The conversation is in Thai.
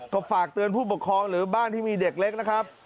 ก็ฝากเตือนผู้ปกครองหรือบ้านที่มีเด็กเล็กนะครับ